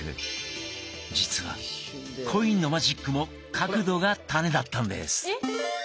実はコインのマジックも角度がタネだったんです！